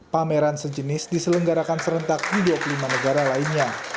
pameran sejenis diselenggarakan serentak di dua puluh lima negara lainnya